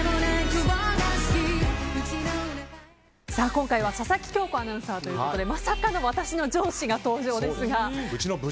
今回は佐々木恭子アナウンサーということでまさかの私の上司が登場ですが。